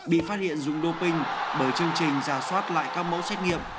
bị phát hiện dùng đô pình bởi chương trình giả soát lại các mẫu xét nghiệm